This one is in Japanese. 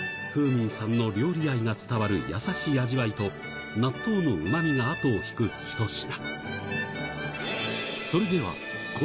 みんさんの料理愛が伝わるやさしい味わいと納豆のうま味が後を引くひと品